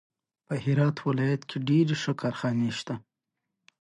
دا اقتصادي بنسټونه د زبېښونکو سیاسي بنسټونو لخوا حیه کېدل.